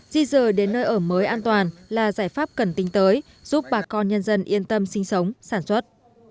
di dờ đến nơi ở mới an toàn là giải pháp cần tính tới giúp bà con nhân dân yên tâm sinh sống sản xuất